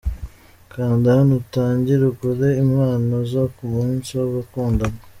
Kanda hano utangire ugure impano zo ku munsi w'abakundana.